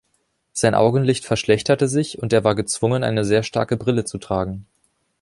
Sein Augenlicht verschlechterte sich, und er war gezwungen eine sehr starke Brille zu tragen.